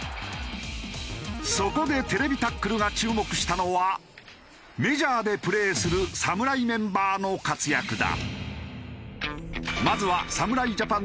そこで『ＴＶタックル』が注目したのはメジャーでプレーする侍メンバーの活躍だ。